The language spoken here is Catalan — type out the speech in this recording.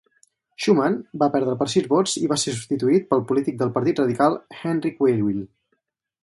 Schuman va perdre per sis vots i va ser substituït pel polític del Partit Radical Henri Queuille.